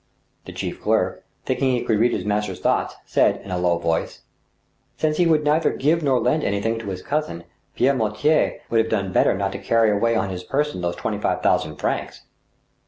/ The chief clerk, thinking he could read his master's thoughts, said, in a low voice :'' Since he would neither give nor lend anything to his cousin, Pierre Mortier would have done better not to carry away on his person those twenty five thousand francs."